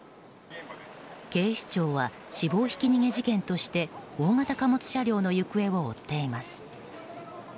警視庁は死亡ひき逃げ事件として大型貨物車両の行方を追っています。